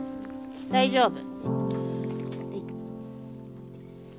大丈夫？